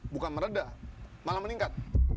bukan meredah malah meningkat